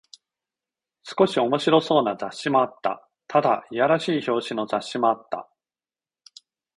少し面白そうな雑誌もあった。ただ、いやらしい表紙の雑誌もあった。